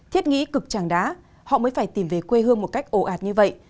thiết nghĩ cực chẳng đá họ mới phải tìm về quê hương một cách ổ ạt như vậy